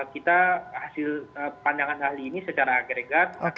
kita pandangan hal ini secara agregat